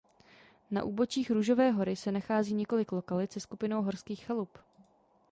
Na úbočích Růžové hory se nachází několik lokalit se skupinou horských chalup.